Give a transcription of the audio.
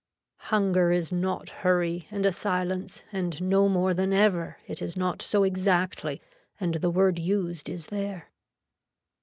Hunger is not hurry and a silence and no more than ever, it is not so exactly and the word used is there.